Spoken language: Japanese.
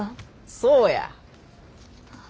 そうや。